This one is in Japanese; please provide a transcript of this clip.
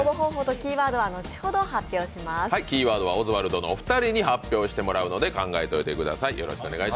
キーワードはオズワルドのお二人に発表していただくので、考えておいてください。